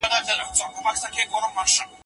که ماشينونه سم کار ونکړي، انسان به پرې ستونزه ولري.